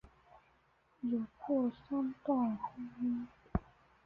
有过三段婚姻。